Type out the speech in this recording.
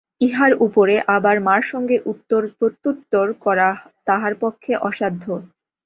ইহার উপরে আবার মার সঙ্গে উত্তর-প্রত্যুত্তর করা তাহার পক্ষে অসাধ্য।